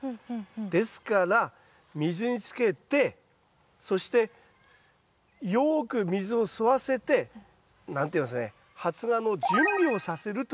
ですから水につけてそしてよく水を吸わせて何ていいますかね発芽の準備をさせるということが重要なんですよ。